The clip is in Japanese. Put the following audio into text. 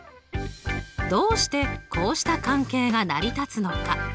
どうしてこうした関係が成り立つのか。